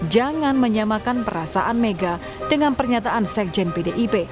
jangan menyamakan perasaan mega dengan pernyataan sekjen pdip